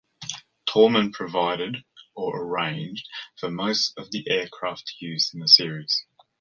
Tallman provided or arranged for most of the aircraft used in the series.